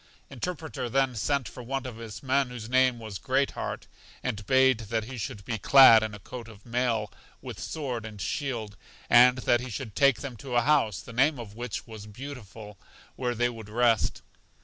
Interpreter then sent for one of his men whose name was Great heart, and bade that he should be clad in a coat of mail, with sword and shield, and that he should take them to a house, the name of which was Beautiful, where they would rest.